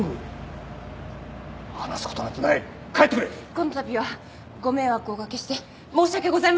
このたびはご迷惑をお掛けして申し訳ございませんでした。